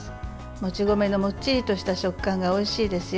もち米のもっちりとした食感がおいしいですよ。